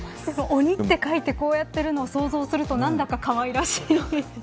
鬼と書いてこうやってるのを想像すると何だかかわいらしいですよね。